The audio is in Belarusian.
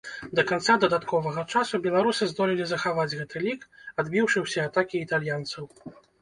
Да канца дадатковага часу беларусы здолелі захаваць гэты лік, адбіўшы ўсе атакі італьянцаў.